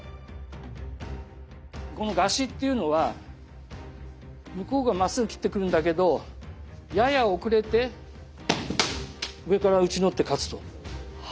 この合撃っていうのは向こうがまっすぐ斬ってくるんだけどやや遅れて上から打ち取って勝つと。は。